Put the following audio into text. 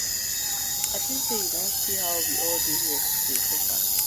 I tink say yu don see how we all dey here dey suffer.